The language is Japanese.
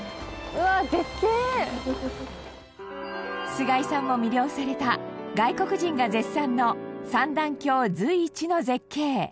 菅井さんも魅了された外国人が絶賛の三段峡随一の絶景。